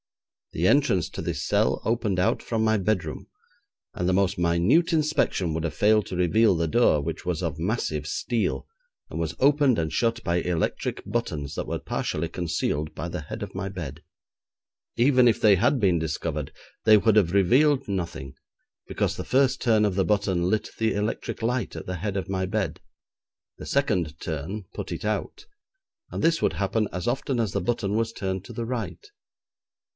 The entrance to this cell opened out from my bedroom, and the most minute inspection would have failed to reveal the door, which was of massive steel, and was opened and shut by electric buttons that were partially concealed by the head of my bed. Even if they had been discovered, they would have revealed nothing, because the first turn of the button lit the electric light at the head of my bed; the second turn put it out; and this would happen as often as the button was turned to the right.